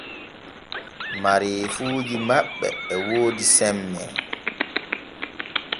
Mareefuuji maɓɓe e woodi semme.